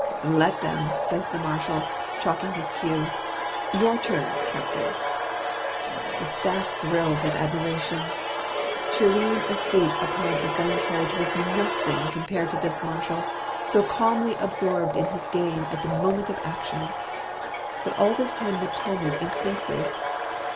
" Let them !" says the Marshal, chalking his cue. " Your turn, captain !" The staff thrills with admiration. Turenne asleep upon a gun carriage was nothing compared to this marshal, so calmly absorbed in his game at the moment of action ! But all this time the tumult in creases.